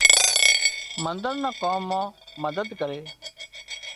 منۮر نا ڪام مان مدد ڪري